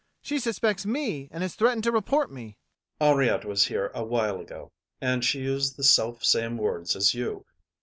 She suspects me and has threatened to report me. ADOLPHE. Henriette was here a while ago, and she used the self same words as you.